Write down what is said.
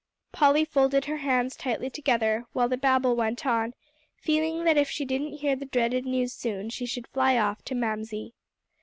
Polly folded her hands tightly together, while the babel went on, feeling that if she didn't hear the dreaded news soon, she should fly off to Mamsie.